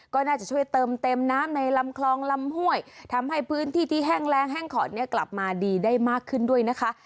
ก็น่าจะช่วยเติมเต็มน้ำในลำคลองลำห้วยทำให้พื้นที่ที่แห้งแรงแห้งขอดเนี่ยกลับมาดีได้มากขึ้นด้วยนะคะ